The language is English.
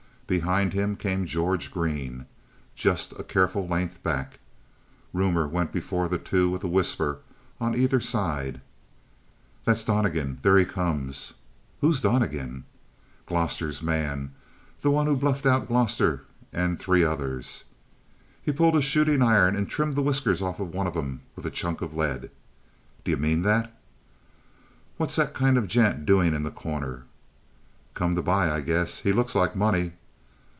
Behind him came George Green, just a careful length back. Rumor went before the two with a whisper on either side. "That's Donnegan. There he comes!" "Who's Donnegan?" "Gloster's man. The one who bluffed out Gloster and three others." "He pulled his shooting iron and trimmed the whiskers of one of 'em with a chunk of lead." "D'you mean that?" "What's that kind of a gent doing in The Corner?" "Come to buy, I guess. He looks like money."